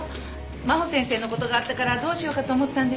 真帆先生の事があったからどうしようかと思ったんですけど。